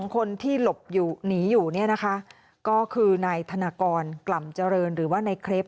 คนที่หลบหนีอยู่เนี่ยนะคะก็คือนายธนากรกล่ำเจริญหรือว่าในเครป